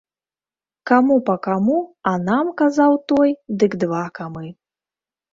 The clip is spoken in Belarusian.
Каму па каму, а нам, казаў той, дык два камы.